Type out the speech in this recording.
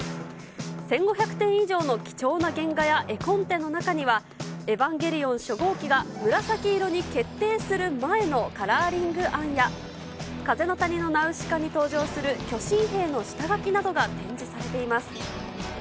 １５００点以上の貴重な原画や絵コンテの中には、エヴァンゲリオン初号機が、紫色に決定する前のカラーリング案や、風の谷のナウシカに登場する巨神兵の下書きなどが展示されています。